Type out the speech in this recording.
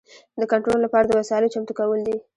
د کنټرول لپاره د وسایلو چمتو کول دي.